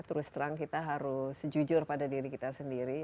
terus terang kita harus sejujur pada diri kita sendiri